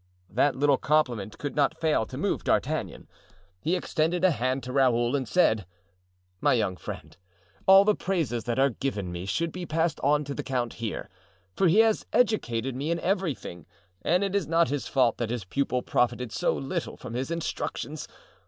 That little compliment could not fail to move D'Artagnan. He extended a hand to Raoul and said: "My young friend, all the praises that are given me should be passed on to the count here; for he has educated me in everything and it is not his fault that his pupil profited so little from his instructions.